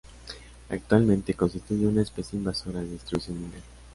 Actualmente constituye una especie invasora de distribución mundial.